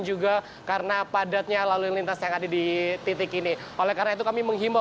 juga karena padatnya lalu lintas yang ada di titik ini oleh karena itu kami menghimbau